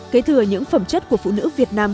kế thừa những phẩm chất của phụ nữ việt nam